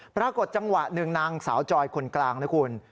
ปรากฏจังหวะหนึ่งนางสาวจอยคนกลางนะคุณ